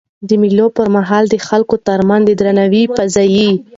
د مېلو پر مهال د خلکو ترمنځ د درناوي فضا يي.